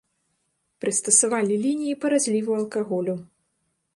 Прыстасавалі лініі па разліву алкаголю.